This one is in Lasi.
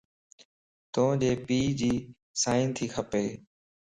توجي پيءَ جي سائن تي کپ